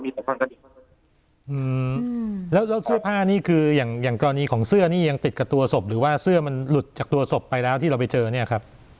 อืมแล้วแล้วเสื้อผ้านี่คืออย่างอย่างกรณีของเสื้อนี่ยังติดกับตัวศพหรือว่าเสื้อมันหลุดจากตัวศพไปแล้วที่เราไปเจอเนี่ยครับ